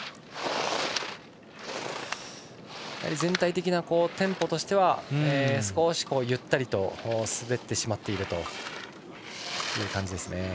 全体的なテンポとしては少しゆったりと滑ってしまっている感じです。